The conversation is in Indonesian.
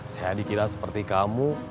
saya dikira seperti kamu